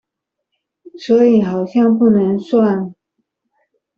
所以好像不能算